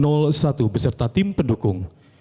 nomor urut satu beserta tim pendukung